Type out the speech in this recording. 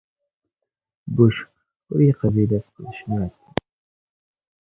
Bush ur yeqbil asseqdec n uɛetteb.